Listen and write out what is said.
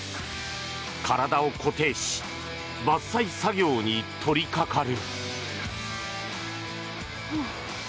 体を固定し伐採作業に取りかかる。